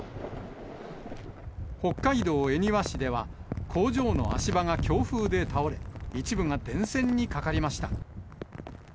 北海道恵庭市では、工場の足場が強風で倒れ、一部が電線にかかりました。